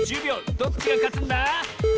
どっちがかつんだ？